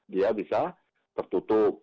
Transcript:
dia bisa tertutup